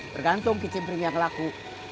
bergantung kicimpring yang laku